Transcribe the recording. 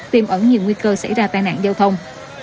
tiêm ẩn nhiều nguy cơ xảy ra tai nạn giao thông